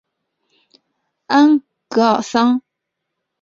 安戈尔桑。